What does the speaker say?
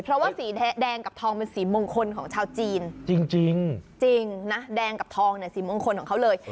เพราะว่าสีแดงกับทองเป็นสีมงคลของชาวจีนจริงนะแดงกับทองเนี่ยสีมงคลของเขาเลย